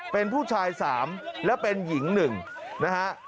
เป็นผู้ชาย๓และเป็นหญิง๑นะฮะ